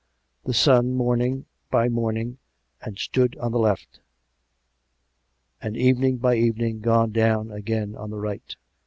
The sun, morning by morning, had stood on the left, and evening by evening gone down again on the right.